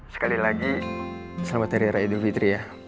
sekali lagi selamat hari raya idul fitri ya